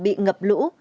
bị ngập lũ